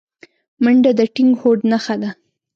منډه د ټینګ هوډ نښه ده